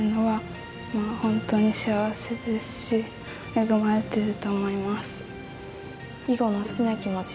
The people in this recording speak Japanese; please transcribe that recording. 恵まれてると思います。